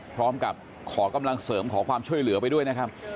พร้อมกับขอกำลังเสริมขอความช่วยเหลือไปด้วยนะครับ